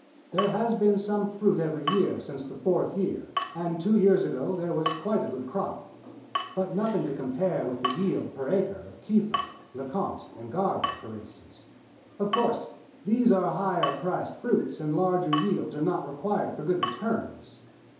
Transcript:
There has been some fruit every year since the fourth year, and two years ago there was quite a good crop, but nothing to compare with the yield per acre of Kieffer, LeConte and Garber, for instance. Of course, these are higher priced fruit and large yields are not required for good returns.